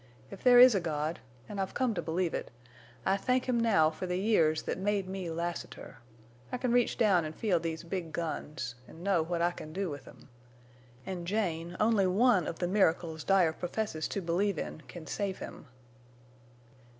If there is a God—an' I've come to believe it—I thank Him now for the years that made me Lassiter!... I can reach down en' feel these big guns, en' know what I can do with them. An', Jane, only one of the miracles Dyer professes to believe in can save him!"